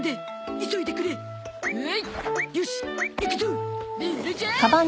「ほい」「よし行くぞ」